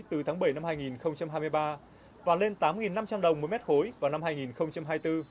từ tháng bảy năm hai nghìn hai mươi ba và lên tám năm trăm linh đồng một mét khối vào năm hai nghìn hai mươi bốn